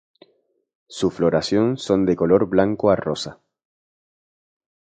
Su floración son de color blanco a rosa.